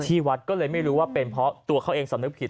ที่วัดก็เลยไม่รู้ว่าเป็นเพราะตัวเขาเองสำนึกผิด